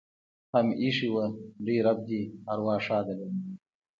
هم ایښي وه. لوى رب دې ارواح ښاده لري.